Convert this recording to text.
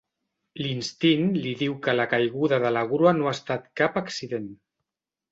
L'instint li diu que la caiguda de la grua no ha estat cap accident.